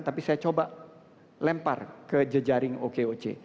tapi saya coba lempar ke jejaring okoc